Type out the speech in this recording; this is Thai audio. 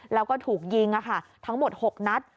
แล้วก็ถูกยิงทั้งหมด๖นัด